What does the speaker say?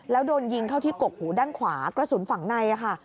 แล้วโดนยิงเข้าที่กกหูด้านขวากระสุนฝั่งในค่ะ